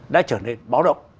đã trở nên báo động